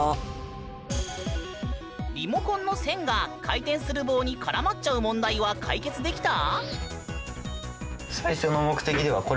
リモコンの線が回転する棒に絡まっちゃう問題は解決できた？